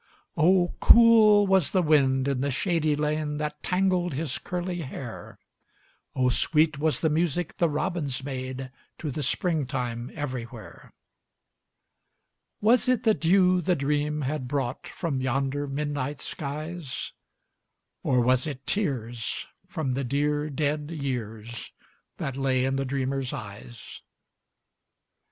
Oh, cool was the wind in the shady lane That tangled his curly hair! Oh, sweet was the music the robins made To the springtime everywhere! Was it the dew the dream had brought From yonder midnight skies, Or was it tears from the dear, dead years That lay in the dreamer's eyes?